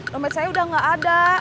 dompet saya udah gak ada